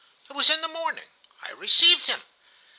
It was in the morning. I received him.